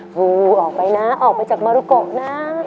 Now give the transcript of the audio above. ครูออกไปนะออกไปจากมรกกนะ